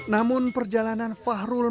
namun perjalanan fahrul